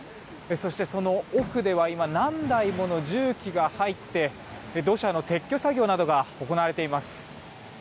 そして、その奥では何台もの重機が入って土砂の撤去作業などが行われています。